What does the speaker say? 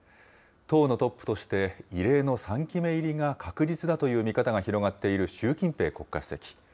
党のトップとして異例の３期目入りが確実だという見方が広がっている習近平国家主席。